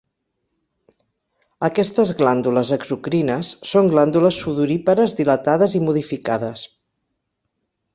Aquestes glàndules exocrines són glàndules sudorípares dilatades i modificades.